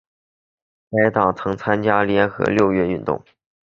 该党曾参加联合六月运动。